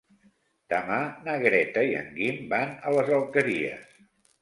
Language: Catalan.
Demà na Greta i en Guim van a les Alqueries.